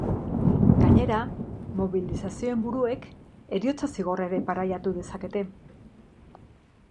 Gainera, mobilizazioen buruek heriotza zigorra ere pairatu dezakete.